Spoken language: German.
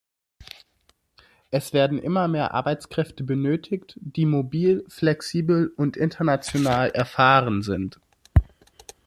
Es werden immer mehr Arbeitskräfte benötigt, die mobil, flexibel und international erfahren sind.